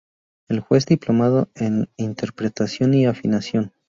Es juez diplomado en Interpretación y Afinación.